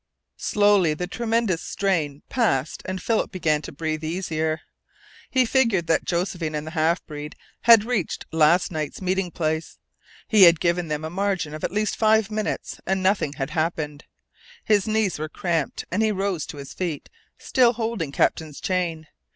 Slowly the tremendous strain passed and Philip began to breathe easier. He figured that Josephine and the half breed had reached last night's meeting place. He had given them a margin of at least five minutes and nothing had happened. His knees were cramped, and he rose to his feet, still holding Captain's chain.